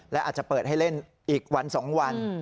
และอาจจะเปิดให้เล่นอีกวัน๒วัน